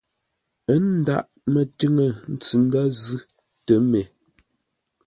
Ə́ ndághʼ mətiŋə ntsʉ ndə̂ zʉ́ tə mê.